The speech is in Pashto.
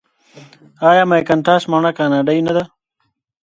آیا مکینټاش مڼه کاناډايي نه ده؟